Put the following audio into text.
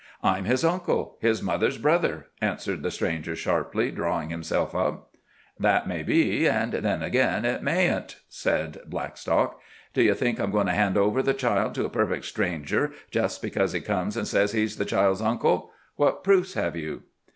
"I'm his uncle, his mother's brother," answered the stranger sharply, drawing himself up. "That may be, an' then again, it mayn't," said Blackstock. "Do you think I'm goin' to hand over the child to a perfect stranger, just because he comes and says he's the child's uncle? What proofs have you?"